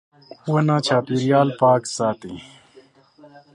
• ونه چاپېریال پاک ساتي.